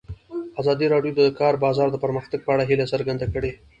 ازادي راډیو د د کار بازار د پرمختګ په اړه هیله څرګنده کړې.